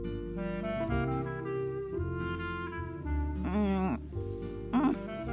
うんうん。